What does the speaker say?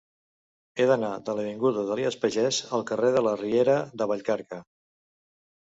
He d'anar de l'avinguda d'Elies Pagès al carrer de la Riera de Vallcarca.